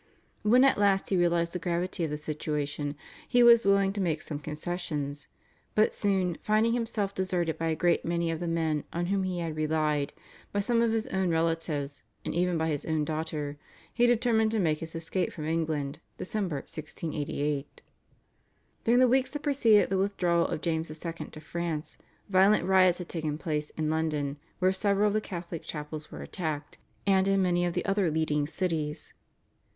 When at last he realised the gravity of the situation he was willing to make some concessions, but soon, finding himself deserted by a great many of the men on whom he had relied, by some of his own relatives, and even by his own daughter, he determined to make his escape from England (Dec. 1688). During the weeks that preceded the withdrawal of James II. to France violent riots had taken place in London, where several of the Catholic chapels were attacked, and in many of the other leading cities.